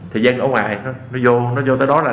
thì dân ở ngoài nó vô tới đó là